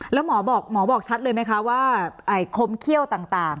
แล้วหมอบอกหมอบอกชัดเลยไหมคะว่าคมเขี้ยวต่าง